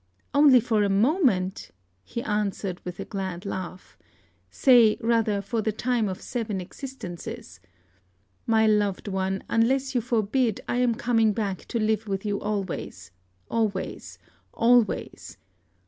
"Only for a moment!" he answered, with a glad laugh, "say, rather, for the time of seven existences! My loved one, unless you forbid, I am coming back to live with you always always always!